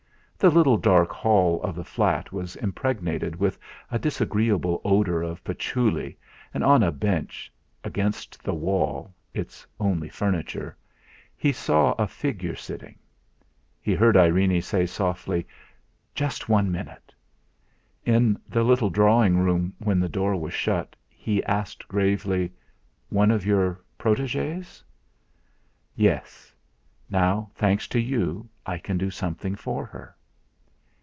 The little dark hall of the flat was impregnated with a disagreeable odour of patchouli, and on a bench against the wall its only furniture he saw a figure sitting. He heard Irene say softly: "Just one minute." In the little drawing room when the door was shut, he asked gravely: "One of your protegees?" "Yes. Now thanks to you, I can do something for her."